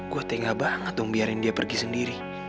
gue tega banget dong biarin dia pergi sendiri